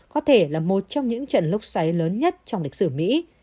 có thể là một trong những trận lốc xoáy lớn nhất trong lịch sử mỹ